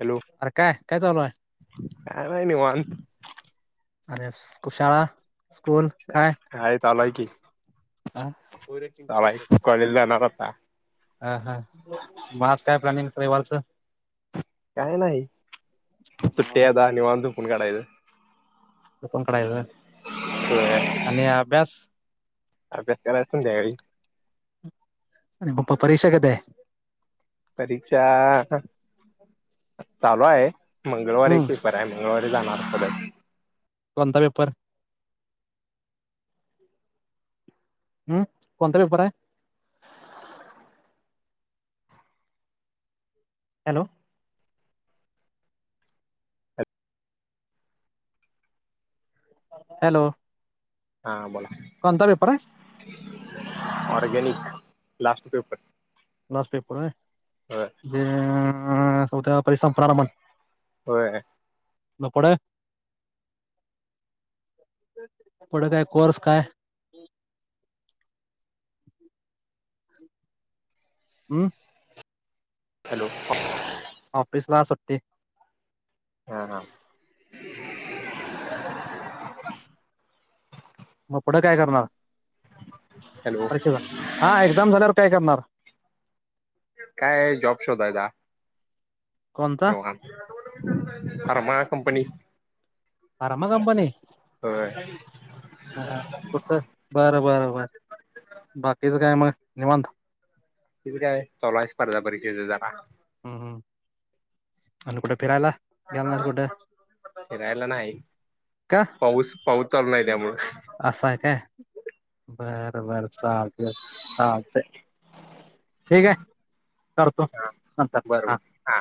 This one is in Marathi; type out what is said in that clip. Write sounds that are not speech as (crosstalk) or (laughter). हॅलो अरे! काय काय चालू आहे? काय नाही निवांत. आणि शाळा? स्कूल हाय चालू आहे की. आं. चालू आहे कॉलेज (unintelligible) जाणार आता हा हा म आज काय प्लॅनिंग? रविवारचं. काय नाही सुट्टी हाय, आता निवांत झोपून काढायचं. झोपून काढायचं होय आणि अभ्यास अभ्यास करायचं संध्याकाळी. आणि प परीक्षा कधी हाय? परीक्षा आ चालू हाय. मंगळवारी हम्म पेपर आहे, मंगळवारी जाणार परत. कोणता पेपर? हम कोणता पेपर आहे? हॅलो! हॅलो! हा बोला. कोणता पेपर आहे? Organic last paper. Last paper होय. होय (inaudible) उद्या परीक्षा संपणार म्हण. होय मग पुढ पुढं काय, कोर्स काय? हूम्. हॅलो. ऑफिसला सुट्टी हा हा. (inaudible) मग पुढं काय करणार? हॅलो परीक्षेला हा एक्झाम झाल्यावर काय करणार? काय जॉब शोधायचा. कोणता तेवढा आ फार्मा कंपनी फार्मा कंपनी? होय हा. कुठं? बरं बरं बर बाकीचं काय म? निवांत. तिच काय चालू हाय स्पर्धा परीक्षेचं जरा? हू हू. फिरायला नाही. का पाऊस पाऊस चालू नाही त्यामूळ असं आहे काय बरं बर, चालतय चालतय. ठीक हाय, करतो नंतर हा. बरोबर